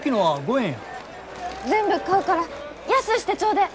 全部買うから安うしてちょうでえ！